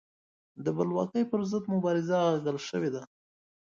د بلواکۍ پر ضد مبارزه اغږل شوې ده.